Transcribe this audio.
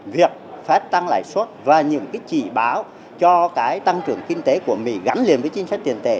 việc phát tăng lại suất và những chỉ báo cho tăng trưởng kinh tế của mỹ gắn liền với chính sách tiền tệ